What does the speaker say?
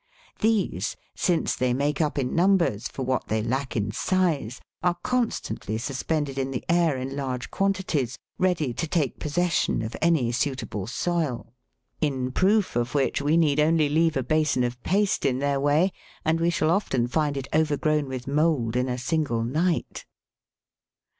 These, since they make up in numbers for what they lack" in size, are constantly suspended in the air in large quantities, ready to take possession of any suitable soil ; in proof of which we c 18 THE WORLD'S LUMBER JKoo.tr. need only leave a basin of paste in their way, and we shall often find it overgrown with " mould " in a single night.